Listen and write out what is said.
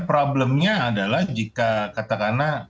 problemnya adalah jika katakanlah